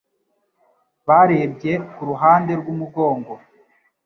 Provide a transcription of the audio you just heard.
Barebye ku ruhande rw'umugongo